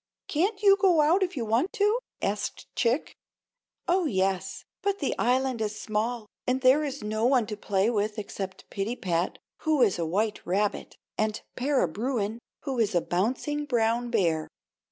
"Can't you go out if you want to?" asked Chick. "Oh, yes; but the island is small, and there is no one to play with except Pittypat, who is a white rabbit, and Para Bruin, who is a bouncing brown bear."